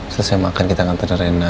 selesai makan kita nanti ngerena